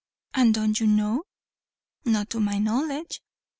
"And don't you know?" "Not to my knowledge."